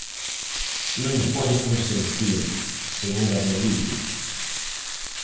Non llo podo consentir, señora Melide.